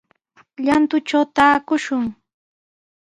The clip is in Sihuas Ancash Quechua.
Llantutraw taakushun.